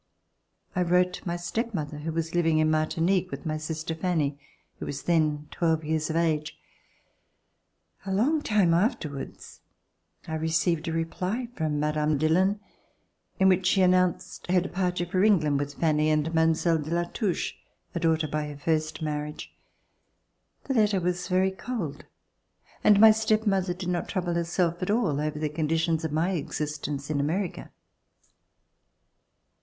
I wrote my step mother, who was living at Martinique with my sister Fanny, who was then twelve years of age. A long time afterwards I received a reply from Mme. Dillon, in which she announced her departure for England with Fanny and Mile, de La Touche, a daughter by her first marriage. The letter was very cold, and my step mother did not trouble herself at all over the conditions of my existence in America.